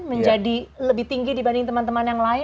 menjadi lebih tinggi dibanding temen temen yang lain